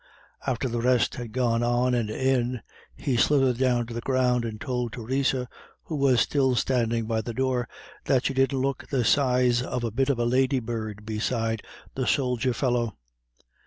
After the rest had gone on and in, he slithered down to the ground and told Theresa, who was still standing by the door, that she didn't look the size of a bit of a lady bird beside the soldier fellow.